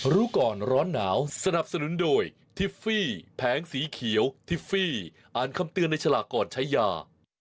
รู้ก่อนร้อนหนาวสนับสนุนโดยทิฟฟี่แผงสีเขียวทิฟฟี่อ่านคำเตือนในฉลากก่อนใช้ยา